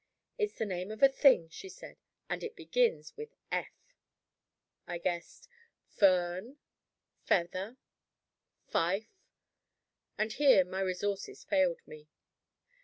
"It's the name of a Thing," she said; "and it begins with F." I guessed, "Fern," "Feather," "Fife." And here my resources failed me.